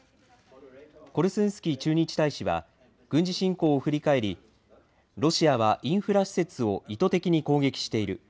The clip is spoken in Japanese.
コルスンスキー駐日大使は、軍事侵攻を振り返り、ロシアは、インフラ施設を意図的に攻撃している。